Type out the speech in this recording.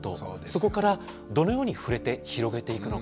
そこからどのように触れて広げていくのか。